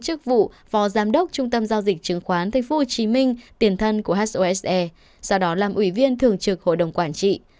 trước vụ phó giám đốc trung tâm giao dịch chứng khoán thế phu hồ chí minh tiền thân của hlse sau đó làm ủy viên thường trực hội đồng quản trị